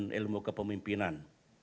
di ilmu kepemimpinan